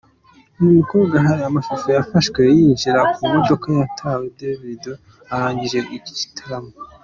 Uyu mukobwa hari amashusho yafashwe yinjira mu modoka yatwaye Davido arangije igitaramo.